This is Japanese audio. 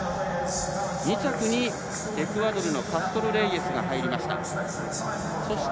２着にエクアドルのカストロレイエスが入りました。